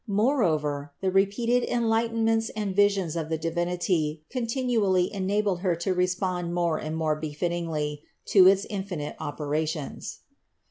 Moreover, the repeated enlightenments and visions of the Divinity continually enabled Her to respond more and more befittingly to its infinite operations.